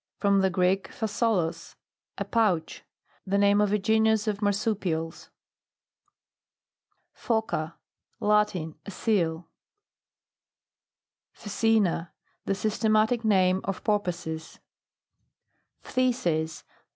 From tlie Greek, pha *tolos, a pouch. The name of a genus of marsupials. PHOCA. Lati'i. A Seal. PHCECENA. The systematic name of porpoises. PHTHISIS.